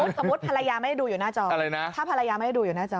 สมมุติภรรยาไม่ได้ดูอยู่หน้าจออะไรนะถ้าภรรยาไม่ได้ดูอยู่หน้าจอ